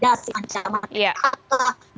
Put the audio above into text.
dan juga mencari ancaman